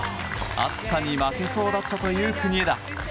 暑さに負けそうだったという国枝。